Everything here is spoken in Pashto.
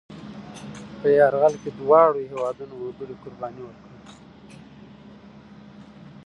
په یرغل کې دواړو هېوادنو وګړي قربانۍ ورکړې.